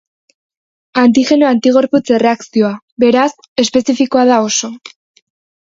Antigeno-antigorputz erreakzioa, beraz, espezifikoa da oso.